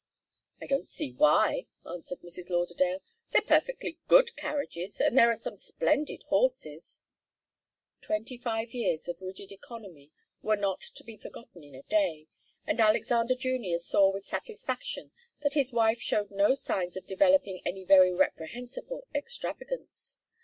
"I don't see why," answered Mrs. Lauderdale. "They're perfectly good carriages, and there are some splendid horses " Twenty five years of rigid economy were not to be forgotten in a day, and Alexander Junior saw with satisfaction that his wife showed no signs of developing any very reprehensible extravagance.